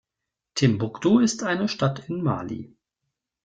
Timbuktu ist eine Stadt in Mali.